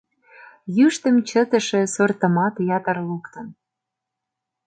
Йӱштым чытыше сортымат ятыр луктын.